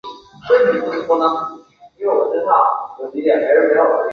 比塔朗伊什是葡萄牙波尔图区的一个堂区。